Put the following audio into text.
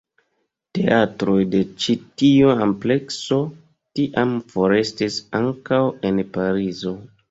Teatroj de ĉi tiu amplekso tiam forestis ankaŭ en Parizo.